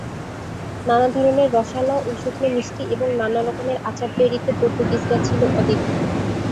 নানা ধরনের রসালো ও শুকনো মিষ্টি এবং নানা রকমের আচার তৈরিতে পর্তুগিজরা ছিল অদ্বিতীয়।